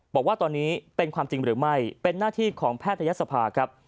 บอกว่าตอนนี้เป็นความจริงหรือไม่เป็นหน้าที่ของแพทยศภาครับ